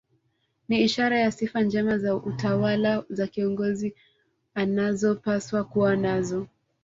Ni ishara ya sifa njema za utawala za kiongozi anazopaswa kuwa nazo